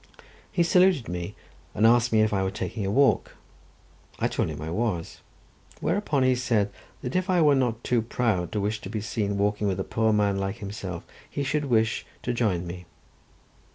He saluted me and asked me if I were taking a walk. I told him I was, whereupon he said that if I were not too proud to wish to be seen walking with a poor man like himself, he should wish to join me.